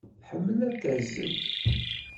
Tḥemmel ad tazzel.